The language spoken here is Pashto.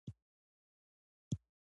نوې کالی د اختر ښایست وي